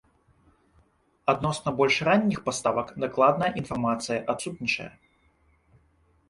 Адносна больш ранніх паставак дакладная інфармацыя адсутнічае.